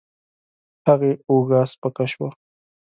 هغې اوږه سپکه شوه.